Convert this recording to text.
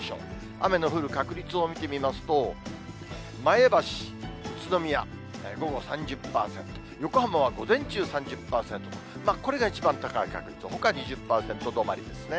雨の降る確率を見てみますと、前橋、宇都宮午後３０％、横浜は午前中３０％と、これが一番高い確率、ほか２０％止まりですね。